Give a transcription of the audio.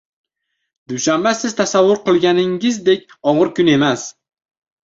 Dushanba siz tasavvur qilganingizdek ogʻir kun emas.